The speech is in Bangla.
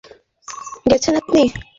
অনেক ভালো গেয়েছেন, আপনি।